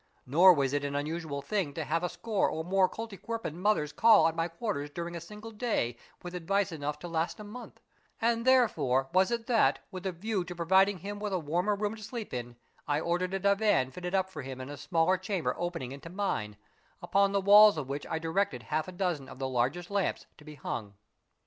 Nor was it an unusual thing to have a score or more Koltykwerpian mothers call at my quarters dur ing a single day with advice enough to last a month, and there fore was it that, with a view to providing him with a warmer room to sleep in, I ordered a divan fitted up for him in a smaller chamber opening into mine, upon the walls of which I directed half a dozen of the largest lamps to be hung.